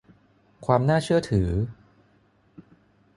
ความน่าเชื่อถือ